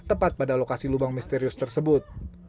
tepat pada lokasi lubang misterius tersebut